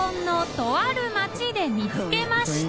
稙椶とある町で見つけました